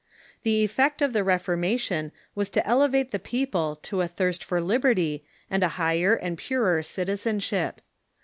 The effect of the Reformation was to elevate the people to a thirst for liberty and a higher and purer citi zenship.